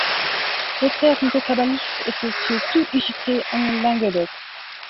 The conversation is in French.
Le terme de cabaliste était surtout usité en Languedoc.